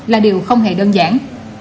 là điều không hề đơn giản